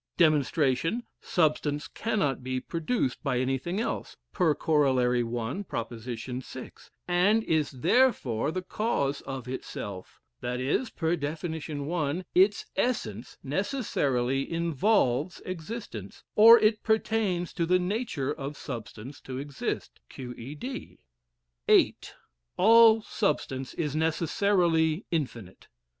Dem. Substance cannot be produced by anything else (per coroli. prop, six,) and is therefore the cause of itself that is (per def. one,) its essence necessarily involves existence; or it pertains to the nature of substance to exist. Q. E. D. VIII. All substance is necessarily infinite.